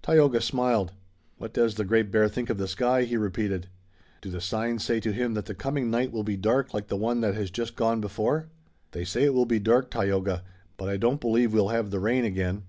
Tayoga smiled. "What does the Great Bear think of the sky?" he repeated. "Do the signs say to him that the coming night will be dark like the one that has just gone before?" "They say it will be dark, Tayoga, but I don't believe we'll have the rain again."